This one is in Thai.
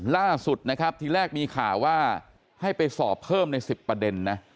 ล่าสุดนะครับทีแรกมีข่าวว่าให้ไปสอบเพิ่มใน๑๐ประเด็นนะ